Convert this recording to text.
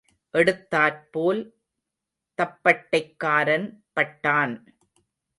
எடுத்தாற் போல் தப்பட்டைக்காரன் பட்டான்.